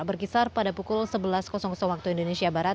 berkisar pada pukul sebelas waktu indonesia barat